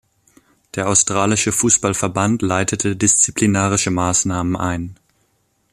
Der australische Fußballverband leitete disziplinarische Maßnahmen ein.